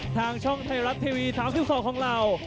ทางช่องไทยรัฐทีวี๓๒ของเรา